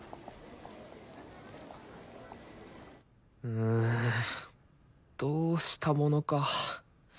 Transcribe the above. うんどうしたものか。